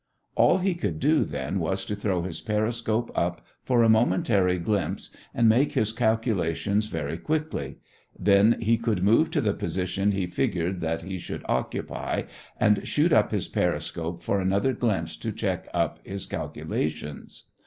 All he could do, then, was to throw his periscope up for a momentary glimpse and make his calculations very quickly; then he could move to the position he figured that he should occupy and shoot up his periscope for another glimpse to check up his calculations.